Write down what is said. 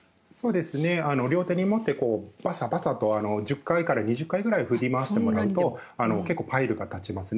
両手に持ってバサバサと１０回から２０回くらい振り回してもらうと結構パイルが立ちます。